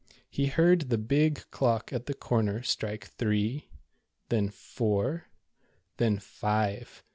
He heard the big clock at the corner strike "///;rr, " then ' four," then "^7'e."